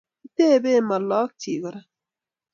Kitebe Ma lagokchi kora